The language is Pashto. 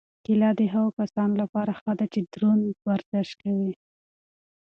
کیله د هغو کسانو لپاره ښه ده چې دروند ورزش کوي.